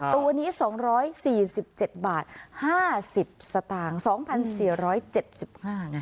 ตัวนี้สองร้อยสี่สิบเจ็ดบาทห้าสิบสตางค์สองพันสี่ร้อยเจ็ดสิบห้าไง